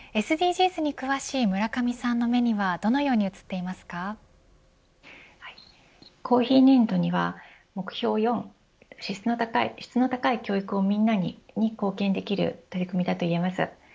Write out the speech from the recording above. ＳＤＧｓに詳しい村上さんの目にはコーヒー粘土には目標４質の高い教育をみんなに、に貢献できる取り組みだといえます。